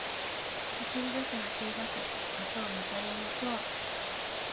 走りだせ、走りだせ、明日を迎えに行こう